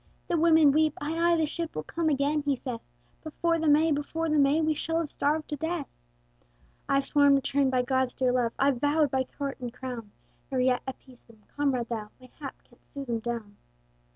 "The women weep; 'Ay, ay, the ship Will come again' (he saith), 'Before the May; Before the May We shall have starved to death!' "I've sworn return by God's dear leave, I've vowed by court and crown, Nor yet appeased them. Comrade, thou, Mayhap, canst soothe them down."